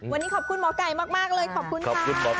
วันนี้ขอบคุณหมอไก่มากเลยขอบคุณค่ะ